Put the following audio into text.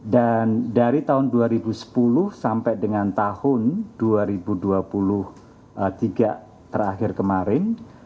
dan dari tahun dua ribu sepuluh sampai dengan tahun dua ribu dua puluh tiga terakhir kemarin